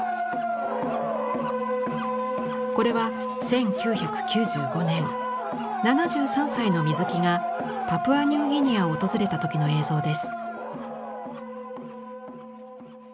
これは１９９５年７３歳の水木がパプアニューギニアを訪れた時の映像です。